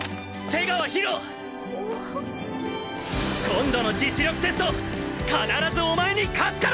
今度の実力テスト必ずお前に勝つからな！！